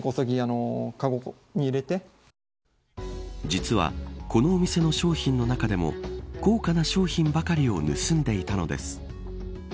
実は、このお店の商品の中でも高価な商品ばかりを盗んでいたのです。